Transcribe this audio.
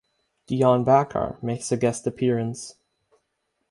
Dian Bachar makes a guest appearance.